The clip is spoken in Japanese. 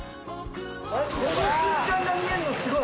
この瞬間が見えるのすごい！